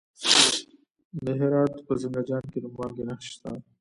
د هرات په زنده جان کې د مالګې نښې شته.